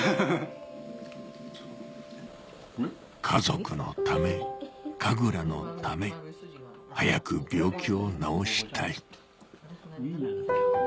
「家族のため神楽のため」「早く病気を治したい」